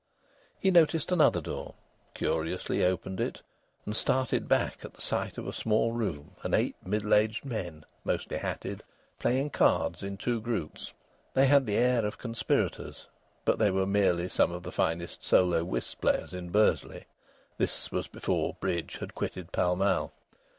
He noticed another door, curiously opened it, and started back at the sight of a small room, and eight middle aged men, mostly hatted, playing cards in two groups. They had the air of conspirators, but they were merely some of the finest solo whist players in Bursley. (This was before bridge had quitted Pall Mall.)